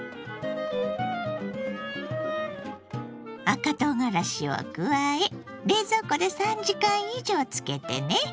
赤とうがらしを加え冷蔵庫で３時間以上漬けてね。